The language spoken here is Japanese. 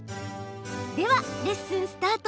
では、レッスンスタート。